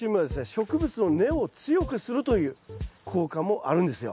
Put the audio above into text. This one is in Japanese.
植物の根を強くするという効果もあるんですよ。